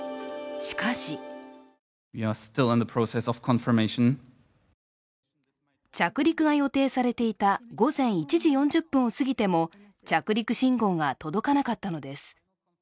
しかし着陸が予定されていた午前１時４０分を過ぎても着陸信号が届かなかったのです。